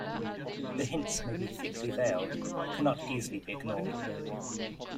The hints may be thickly veiled, but can not easily be ignored.